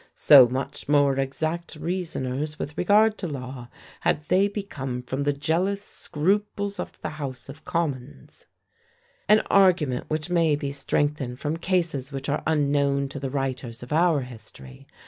"So much more exact reasoners, with regard to law, had they become from the jealous scruples of the House of Commons." An argument which may be strengthened from cases which are unknown to the writers of our history.